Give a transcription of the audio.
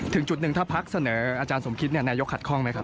ถึงจุดหนึ่งถ้าพักเสนออาจารย์สมคิดนายกขัดข้องไหมครับ